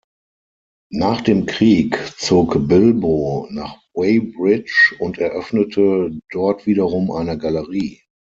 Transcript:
Nach dem Krieg zog Bilbo nach Weybridge und eröffnete dort wiederum eine Galerie.